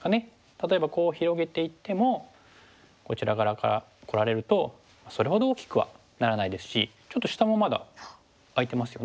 例えばこう広げていってもこちら側からこられるとそれほど大きくはならないですしちょっと下もまだ空いてますよね。